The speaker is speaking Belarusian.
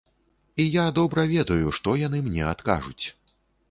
І я добра ведаю, што яны мне адкажуць.